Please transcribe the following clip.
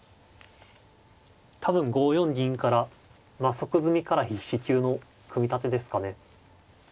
多分５四銀から即詰みから必至級の組み立てですかね。